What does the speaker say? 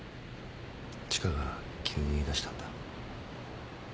千賀が急に言いだしたんだ。